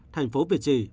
thành phố việt trì